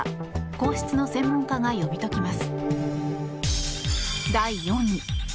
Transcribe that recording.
皇室の専門家が読み解きます。